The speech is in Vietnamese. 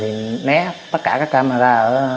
thì né tất cả các camera